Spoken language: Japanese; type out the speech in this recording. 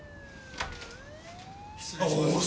失礼します。